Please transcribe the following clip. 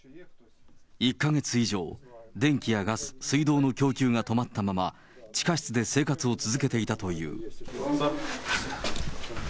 １か月以上、電気やガス、水道の供給が止まったまま、地下室で生活を続けていたという。